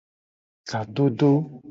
Kadodo.